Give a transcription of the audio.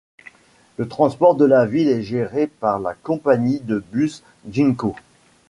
Le transport de la ville est géré par la compagnie de bus Ginko.